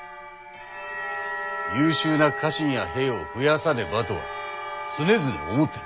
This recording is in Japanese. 優秀な家臣や兵を増やさねばとは常々思っている。